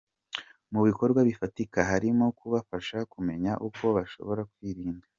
mu bikorwa bifatika harimo kubafasha kumenya uko bashobora kwirinda.